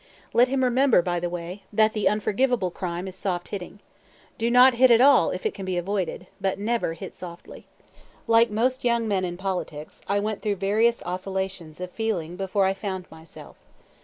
Let him remember, by the way, that the unforgivable crime is soft hitting. Do not hit at all if it can be avoided; but never hit softly. Like most young men in politics, I went through various oscillations of feeling before I "found myself."